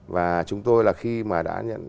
và chúng tôi là khi mà đã nhận